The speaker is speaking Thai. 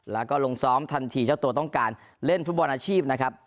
แล้วก็ลงซ้อมทันทีเจ้าตัวต้องการเล่นฟุตบอลอาชีพนะครับ